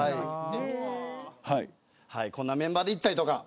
こんなメンバーで行ったりとか。